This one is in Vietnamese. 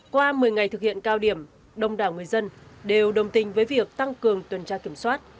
qua một mươi ngày thực hiện cao điểm đông đảo người dân đều đồng tình với việc tăng cường tuần tra kiểm soát